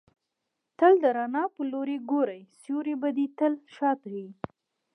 تل د رڼا پر لوري ګورئ! سیوری به دي تل شاته يي.